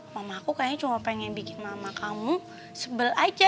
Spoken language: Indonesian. mama aku kayaknya cuma pengen bikin mama kamu sebel aja